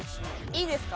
いいですか？